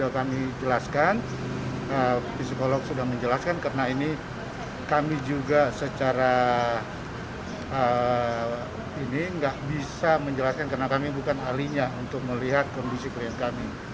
kami jelaskan psikolog sudah menjelaskan karena ini kami juga secara ini tidak bisa menjelaskan karena kami bukan ahlinya untuk melihat kondisi klien kami